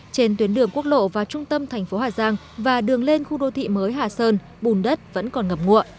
trên tuyến đường quốc lộ vào trung tâm thành phố hà giang và đường lên khu đô thị mới hà sơn bùn đất vẫn còn ngập ngụa